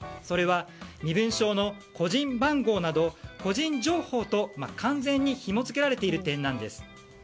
それは、身分証の個人番号など個人情報と完全に紐づけられている点なんです。